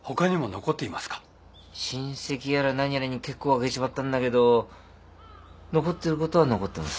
親戚やら何やらに結構あげちまったんだけど残ってることは残ってます。